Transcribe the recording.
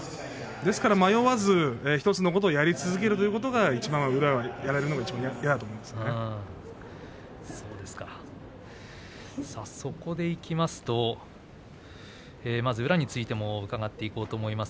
ですから迷わず１つのことをやり続けることがやられるのがそこでいきますとまず宇良についても伺っていこうと思います。